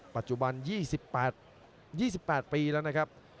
ปัจจุบันยี่สิบแปดปีแล้วนะครับ